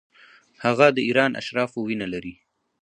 هغه د ایران اشرافو وینه لري.